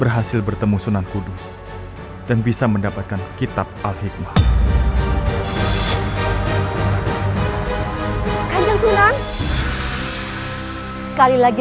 kegelapan tengah menyelembuti desa tinggi